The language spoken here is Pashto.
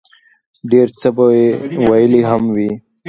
ډېر څۀ به ئې ويلي هم وي